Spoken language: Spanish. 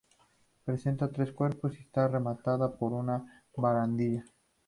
Presenta tres cuerpos y está rematada por una barandilla.